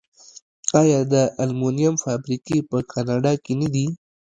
آیا د المونیم فابریکې په کاناډا کې نه دي؟